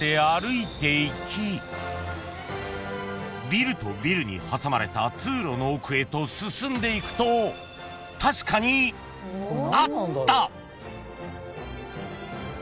［ビルとビルに挟まれた通路の奥へと進んでいくと確かにあった！］